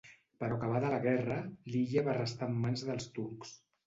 Però acabada la guerra, l'illa va restar en mans dels turcs.